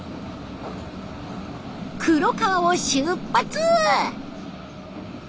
黒川を出発。